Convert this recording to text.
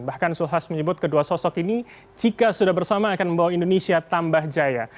bahkan zulkifli hasan menyebut kedua sosok ini jika sudah bersama akan membawa indonesia tambah jaya